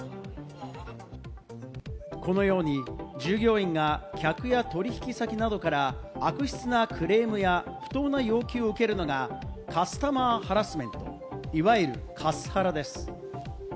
このように従業員が客や取引先などから、悪質なクレームや不当な要求を受けるのがカスタマーハラスメント、いわゆるカスハラです。